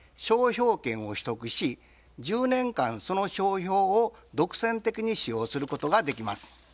商標権を取得し１０年間その商標を独占的に使用することができます。